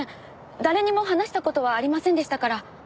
誰にも話した事はありませんでしたから。